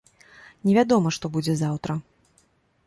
Невядома, што будзе заўтра.